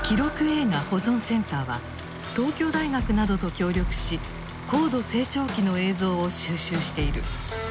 映画保存センターは東京大学などと協力し高度成長期の映像を収集している。